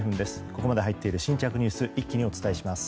ここまでに入っている新着ニュース一気にお伝えします。